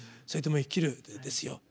「それでも生きる」ですよ。